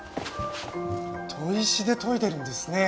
砥石で研いでるんですねえ。